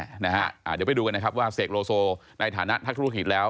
เดี๋ยวไปดูกันว่าเศกโลโซในฐานะถ้าธุรกิจแล้ว